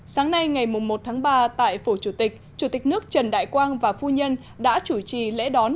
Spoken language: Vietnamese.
sáng nay ngày một tháng ba tại phủ chủ tịch chủ tịch nước trần đại quang và phu nhân đã chủ trì lễ đón